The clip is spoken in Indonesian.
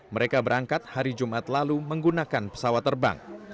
mereka berangkat hari jumat lalu menggunakan pesawat terbang